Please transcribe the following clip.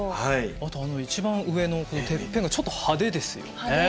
あとあの一番上のてっぺんがちょっと派手ですよね。